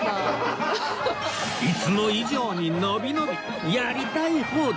いつも以上に伸び伸びやりたい放題